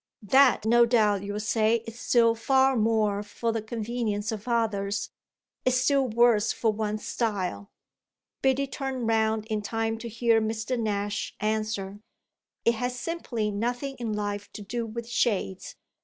"That, no doubt you'll say, is still far more for the convenience of others is still worse for one's style." Biddy turned round in time to hear Mr. Nash answer: "It has simply nothing in life to do with shades!